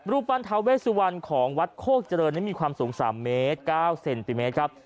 รูปปั้นทาเวสุวรรณของวัดโคกเจริญนั้นมีความสูง๓เมตร๙เซนติเมตรครับ